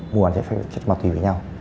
mua và chặt chặt ma túy với nhau